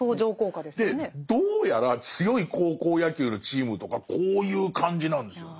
でどうやら強い高校野球のチームとかこういう感じなんですよ。